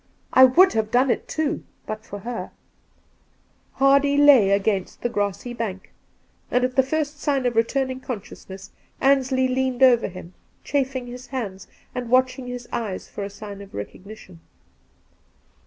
I would have done it, too, but for her 1' Hardy lay against a grassy bank, and p,t the first sign of returning consciousness Ansley leaned over him, chafing his hands and watching his eyes for a sign of recognition.